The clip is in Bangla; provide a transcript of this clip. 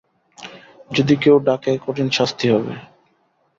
যদি কেউ ডাকে কঠিন শাস্তি হবে।